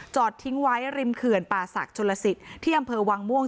ทิ้งไว้ริมเขื่อนป่าศักดิ์ชนลสิทธิ์ที่อำเภอวังม่วง